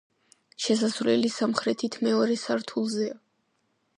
შესასვლელი სამხრეთით მეორე სართულზეა.